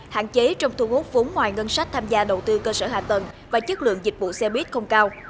hạn chế trong thu hút vốn ngoài ngân sách tham gia đầu tư cơ sở hạ tầng và chất lượng dịch vụ xe buýt không cao